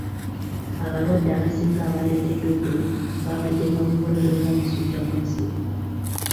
Abalwadde abasinga abaaleeteddwa eggulo baabadde n'obubonero bw'omusujja gw'ensiri.